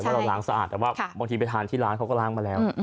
ว่าเราล้างสะอาดแต่ว่าบางทีไปทานที่ร้านเขาก็ล้างมาแล้ว